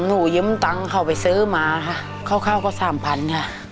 หนูยืมตังค์เขาไปซื้อมาค่ะคร่าวก็สามพันค่ะ